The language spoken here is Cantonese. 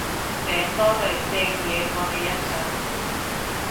醒多隊正嘢過你欣賞